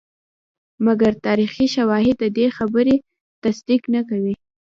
مګر تاریخي شواهد ددې خبرې تصدیق نه کوي.